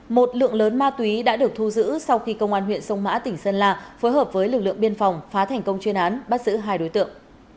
một lượng lớn ma túy đã được thu giữ sau khi công an huyện sông mã tỉnh sơn la phối hợp với lực lượng biên phòng phá thành công chuyên án bắt giữ hai đối tượng